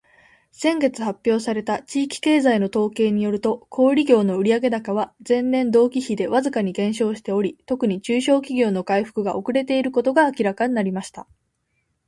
「先月発表された地域経済の統計によると、小売業の売上高は前年同期比でわずかに減少しており、特に中小企業の回復が遅れていることが明らかになりました。」